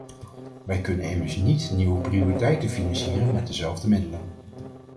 Wij kunnen immers niet nieuwe prioriteiten financieren met dezelfde middelen.